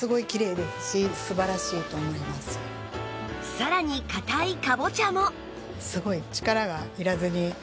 さらに硬いかぼちゃも